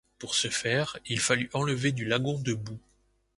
Pour ce faire il fallut enlever du lagon de boue.